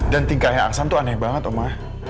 dan tingkahnya aksan itu aneh banget oma